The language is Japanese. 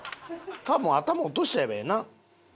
多分頭落としちゃえばええな。